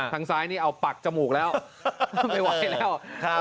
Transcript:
ทางซ้ายนี่เอาปักจมูกแล้วไม่ไหวแล้ว